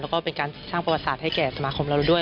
แล้วก็เป็นการสร้างประวัติศาสตร์ให้แก่สมาคมเราด้วย